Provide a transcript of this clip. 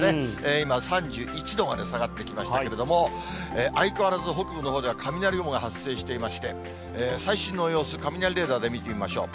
今、３１度まで下がってきましたけれども、相変わらず北部のほうでは雷雲が発生していまして、最新の様子、雷レーダーで見てみましょう。